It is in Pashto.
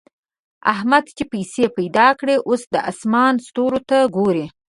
احمد چې پيسې پیدا کړې؛ اوس د اسمان ستورو ته ګوري.